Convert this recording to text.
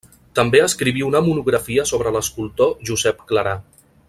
També escriví una monografia sobre l'escultor Josep Clarà.